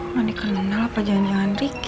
gak dikenal apa jangan jangan ricky